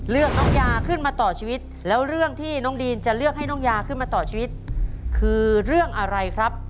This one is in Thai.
เลือกน้องยาขึ้นมาต่อชีวิตแล้วเรื่องที่น้องดีนจะเลือกให้น้องยาขึ้นมาต่อชีวิตคือเรื่องอะไรครับ